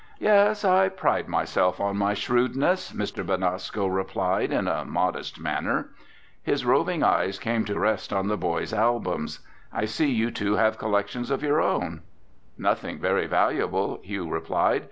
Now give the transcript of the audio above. "Yes, I pride myself on my shrewdness," Mr. Benasco replied in a modest manner. His roving eyes came to rest on the boys' albums. "I see you two have collections of your own." "Nothing very valuable," Hugh replied.